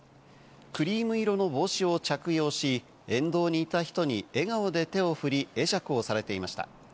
クリーム色の帽子を着用し、沿道にいた人に笑顔で手をふり、会釈をされていました。